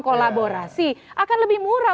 kolaborasi akan lebih murah